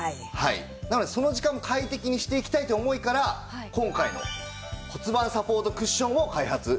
なのでその時間も快適にしていきたいという思いから今回の骨盤サポートクッションを開発したんですね。